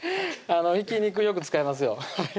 ひき肉よく使いますよ